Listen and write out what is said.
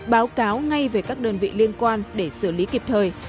báo cáo ngay về các đơn vị liên quan để xử lý kịp thời